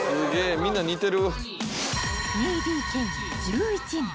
みんな似てる。